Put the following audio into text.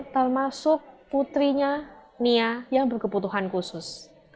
termasuk putrinya nia yang berkebutuhan khusus